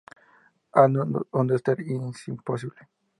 An understanding is impossible.